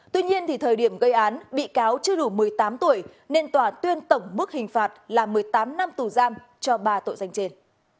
tuy nhiên thời điểm gây án bị cáo chưa đủ một mươi tám tuổi nên tòa tuyên tổng mức hình phạt là một mươi tám năm tù giam cho ba tội danh trên